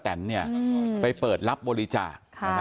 ที่ชื่อป้าแตนไปเปิดรับบริจาค